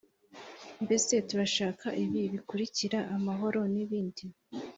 mbese turashaka ibi bikurikira amahoro nibindi